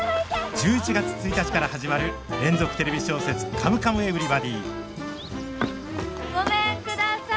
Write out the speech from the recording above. １１月１日から始まる連続テレビ小説「カムカムエヴリバディ」ごめんください。